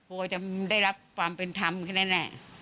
มันก็ติดใจอะกลัวจะได้รับความเป็นธรรมแน่